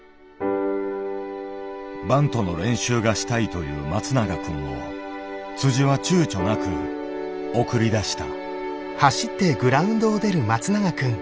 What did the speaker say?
バントの練習がしたいという松永くんをはちゅうちょなく送り出した。